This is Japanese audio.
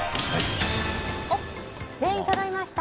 全員そろいました。